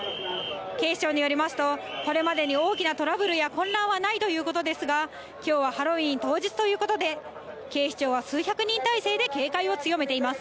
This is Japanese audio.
警視庁によりますと、これまでに大きなトラブルや混乱はないということですが、きょうはハロウィーン当日ということで、警視庁は数百人態勢で警戒を強めています。